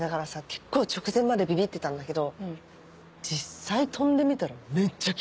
結構直前までビビってたんだけど実際飛んでみたらめっちゃ気持ちいいね。